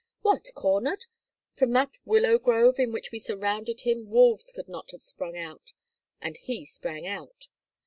"What, cornered! From that willow grove in which we surrounded him wolves could not have sprung out, and he sprang out.